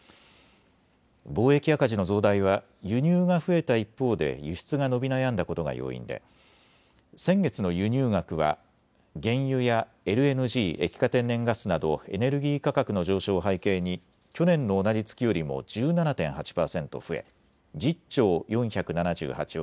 貿易赤字の増大は輸入が増えた一方で輸出が伸び悩んだことが要因で先月の輸入額は原油やＬＮＧ・液化天然ガスなどエネルギー価格の上昇を背景に去年の同じ月よりも１７．８％増え１０兆４７８億